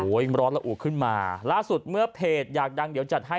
ยังร้อนละอุขึ้นมาล่าสุดเมื่อเพจอยากดังเดี๋ยวจัดให้